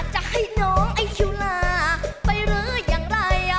จะให้น้องไอ้คิวลาไปรื้ออย่างไร